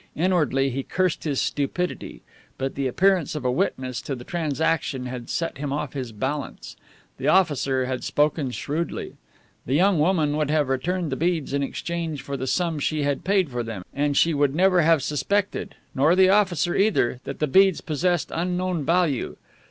Inwardly he cursed his stupidity. But the appearance of a witness to the transaction had set him off his balance. The officer had spoken shrewdly. The young woman would have returned the beads in exchange for the sum she had paid for them, and she would never have suspected nor the officer, either that the beads possessed unknown value.